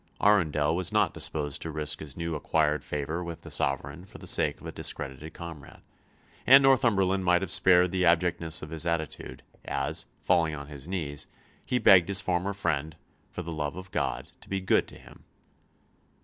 Arundel was not disposed to risk his newly acquired favour with the sovereign for the sake of a discredited comrade, and Northumberland might have spared the abjectness of his attitude; as, falling on his knees, he begged his former friend, for the love of God, to be good to him.